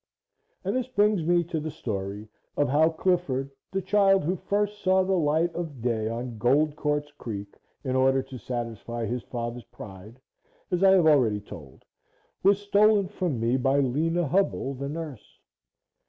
And this brings me to the story of how Clifford, the child who first saw the light of day on Gold Quartz Creek in order to satisfy his father's pride, as I have already told, was stolen from me by Lena Hubbell, the nurse.